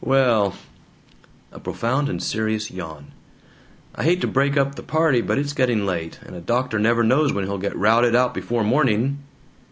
Wellllllll " A profound and serious yawn. "I hate to break up the party, but it's getting late, and a doctor never knows when he'll get routed out before morning."